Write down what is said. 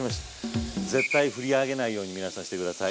絶対振り上げないように皆さんしてください。